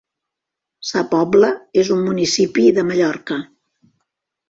Sa Pobla és un municipi de Mallorca.